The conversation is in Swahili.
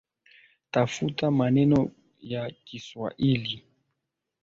Tafuta maneno ya kiswahili